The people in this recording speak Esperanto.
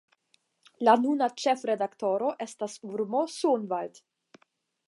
La nuna ĉefredaktoro estas Urmo Soonvald.